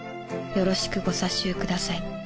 よろしくご査収ください。